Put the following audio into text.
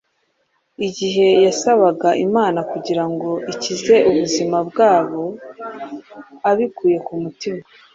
Igihe yasabaga Imana kugira ngo ikize ubuzima bwabo abikuye ku mutima,